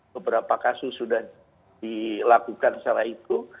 beberapa kasus sudah dilakukan secara itu